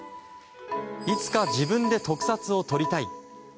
いつか自分で特撮を撮りたい。